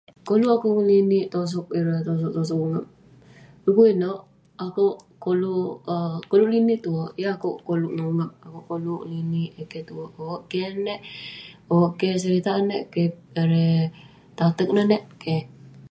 Koluk akouk ngelinik tosok ireh, tosok-tosok ungap. Dukuk ineuk, akouk koluk ngelinik tuek. Yeng akouk koluk ngan ungap. Akouk ngelinik eh keh tuek. Ouk keh ne nek. Keh seritak ne nek. Keh tatek ne nek.